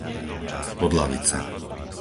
Podlavice